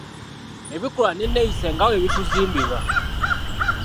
Ebikolwa n’enneeyisa nga bwe bituzimbirwa